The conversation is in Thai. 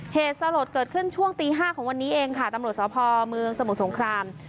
เหตุสโหลดเกิดขึ้นช่วงปีห้าของวันนี้ค่ะตำรวจสาวพอร์เมืองสมุทรสงคราม